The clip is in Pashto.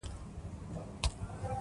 کلي د افغانستان د سیاسي جغرافیه برخه ده.